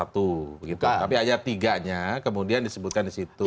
tapi ayat tiga nya kemudian disebutkan di situ